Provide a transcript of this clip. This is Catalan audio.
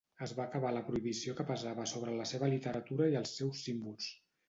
Es va acabar la prohibició que pesava sobre la seva literatura i els seus símbols.